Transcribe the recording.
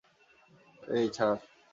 এই, ছাড়!